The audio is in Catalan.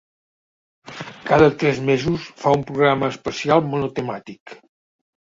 Cada tres mesos fa un programa especial monotemàtic.